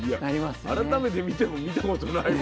改めて見ても見たことないわ。